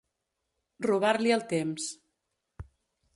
Robar-li el temps.